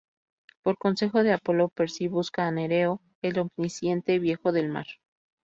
Por consejo de Apolo, Percy busca a Nereo, el Omnisciente Viejo del Mar.